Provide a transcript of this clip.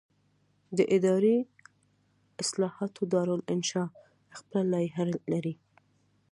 د اداري اصلاحاتو دارالانشا خپله لایحه لري.